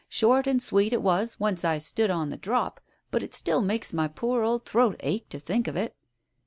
Short and sweet it was once I stood on the drop, but it still makes my poor old throat ache to think of it."